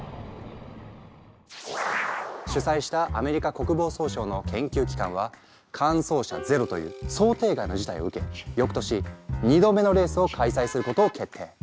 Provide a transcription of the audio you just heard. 主催したアメリカ国防総省の研究機関は完走車ゼロという想定外の事態を受けよくとし２度目のレースを開催することを決定。